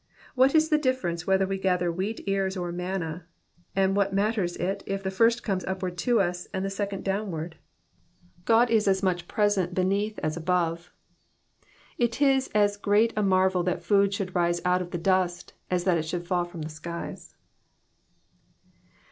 What is the difference whether we gather wheat ears or manna, and what matters it if the first comes upward to us, and the second downward ? God is as much present beneath as above ; it is as great a marvel that food should rise out of the dust, as that it should fall from the skies.